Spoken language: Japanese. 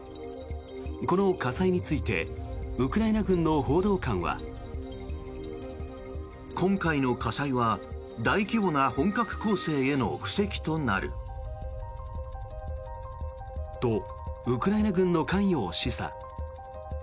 この火災についてウクライナ軍の報道官は。とウクライナ軍の関与を示唆。